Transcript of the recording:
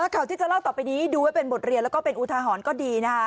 ข่าวที่จะเล่าต่อไปนี้ดูไว้เป็นบทเรียนแล้วก็เป็นอุทาหรณ์ก็ดีนะคะ